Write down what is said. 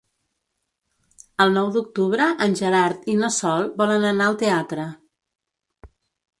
El nou d'octubre en Gerard i na Sol volen anar al teatre.